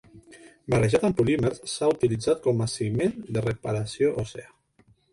Barrejat amb polímers, s'ha utilitzat com a ciment de reparació òssia.